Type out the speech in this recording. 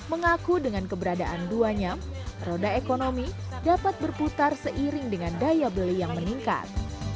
mengaku dengan keberadaan duanya roda ekonomi dapat berputar seiring dengan daya beli yang meningkat